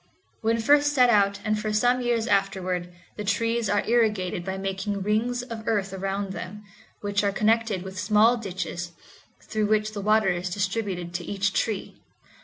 When first set out, and for some years afterward, the trees are irrigated by making rings of earth around them, which are connected with small ditches, through which the water is distributed to each tree.